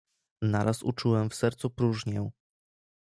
"Naraz uczułem w sercu próżnię."